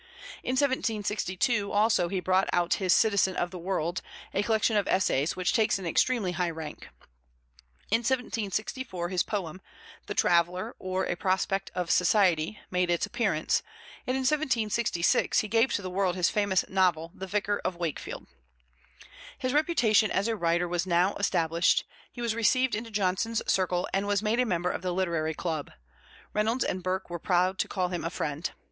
In 1762 also he brought out his Citizen of the World, a collection of essays, which takes an extremely high rank. In 1764 his poem, The Traveller, or a Prospect of Society, made its appearance; and in 1766 he gave to the world his famous novel, The Vicar of Wakefield. His reputation as a writer was now established; he was received into Johnson's circle and was a member of the Literary Club; Reynolds and Burke were proud to call him friend.